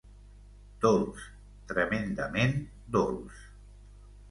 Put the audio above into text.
Dolç, tremendament dolç.